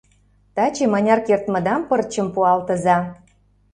Таче мыняр кертмыдам пырчым пуалтыза.